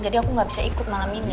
jadi aku gak bisa ikut malam ini